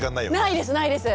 ないですないです。